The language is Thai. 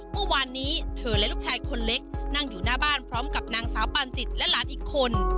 เมื่อวานนี้เธอและลูกชายคนเล็กนั่งอยู่หน้าบ้านพร้อมกับนางสาวปานจิตและหลานอีกคน